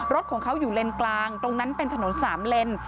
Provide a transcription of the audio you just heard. รถเขาอยู่เลนซ์กลางตรงนั้นเป็นถนน๓เลนซ์